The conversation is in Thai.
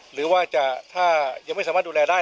หรือว่าจะถ้ายังไม่สามารถดูแลได้